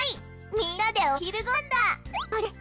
みんなでお昼ごはんだ！